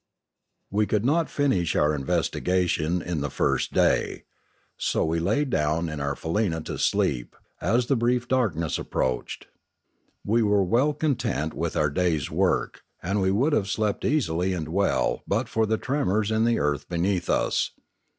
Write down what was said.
We could not finish our investigation in the first day. So we lay down in our faleena to sleep, as the brief 7<x> Limanora darkness approached. We were well content with our day's work; and we would have slept easily and well but for the tremors in the earth beneath us.